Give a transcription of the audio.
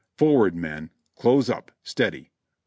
'Forward, men! close up! steady!'